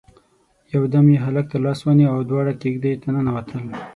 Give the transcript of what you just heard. يودم يې هلک تر لاس ونيو او دواړه کېږدۍ ته ننوتل.